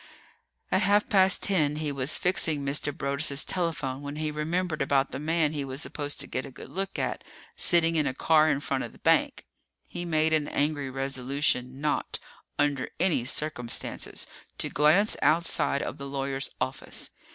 At half past ten, he was fixing Mr. Broaddus' telephone when he remembered about the man he was supposed to get a good look at, sitting in a car in front of the bank. He made an angry resolution not, under any circumstances, to glance outside of the lawyer's office.